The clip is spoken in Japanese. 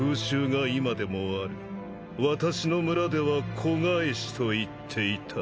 私の村では子返しといっていた。